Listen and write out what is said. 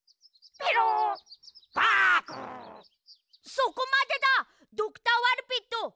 そこまでだドクター・ワルピット！